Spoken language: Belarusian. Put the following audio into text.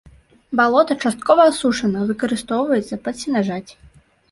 Балота часткова асушана, выкарыстоўваецца пад сенажаць.